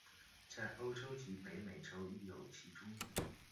在欧洲及北美洲亦有其踪影。